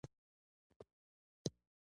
پښې یې په خدمت کې لڅې کړې.